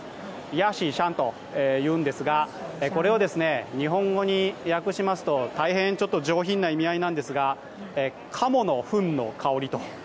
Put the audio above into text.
ヤーシィシァンというんですが、これを日本語に訳しますと大変上品な意味合いなんですが、鴨のふんの香りと。